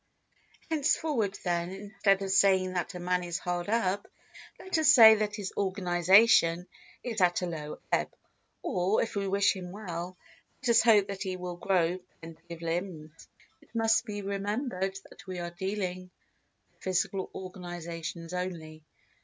Henceforward, then, instead of saying that a man is hard up, let us say that his organisation is at a low ebb, or, if we wish him well, let us hope that he will grow plenty of limbs. It must be remembered that we are dealing with physical organisations only.